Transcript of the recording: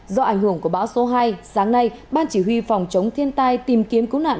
do ảnh hưởng của bão số hai sáng nay ban chỉ huy phòng chống thiên tai tìm kiếm cứu nạn